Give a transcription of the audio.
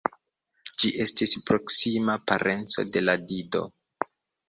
Ĝi estis proksima parenco de la Dido.